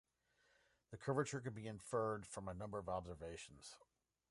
The curvature can be inferred from a number of observations.